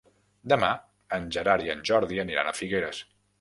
Demà en Gerard i en Jordi aniran a Figueres.